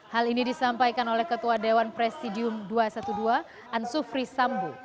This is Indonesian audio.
hal ini disampaikan oleh ketua dewan presidium dua ratus dua belas ansufri sambo